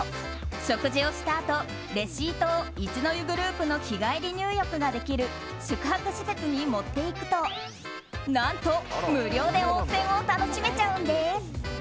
食事をしたあとレシートを、一の湯グループの日帰り入浴ができる宿泊施設に持っていくと何と無料で温泉を楽しめちゃうんです！